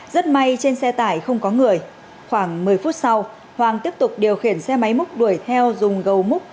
rất may trên xe tải không có người khoảng một mươi phút sau hoàng tiếp tục điều khiển xe máy múc đuổi theo dùng gầu múc